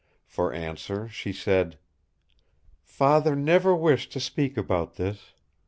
For answer she said: "Father never wished to speak about this.